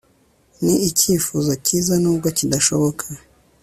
ni icyifuzo cyiza nubwo kidashoboka